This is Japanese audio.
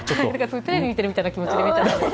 テレビ見ているみたいな気持ちで。